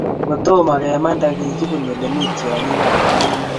Kotomo kemande, kikibun ole mii tiongik ab pek